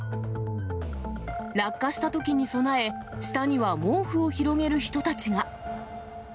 落下したときに備え、下には毛布を広げる人たちが。